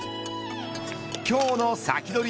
今日のサキドリ！